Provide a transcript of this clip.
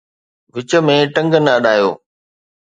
وچ ۾ ٽنگ نه اڏايو